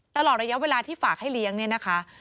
ตลอดระยะเวลาที่ฝากให้เลี้ยงเนี่ยนะคะ